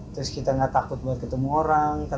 terus kita tidak takut ketemu orang